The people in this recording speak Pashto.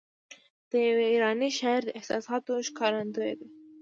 د یوه ایراني شاعر د احساساتو ښکارندوی ده.